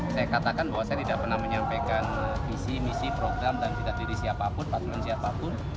saya katakan bahwa saya tidak pernah menyampaikan visi misi program dan cita diri siapapun pasmen siapapun